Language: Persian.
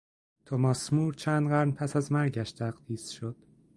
توماس مور چند قرن پس از مرگش تقدیس شد.